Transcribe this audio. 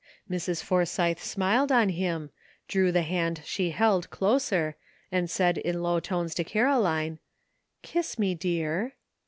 Mrs. Forsythe smiled on him, drew the hand she held closer, and said in low tones to Caro line, ''Kiss me, dear."